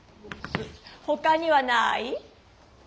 ほかにはない？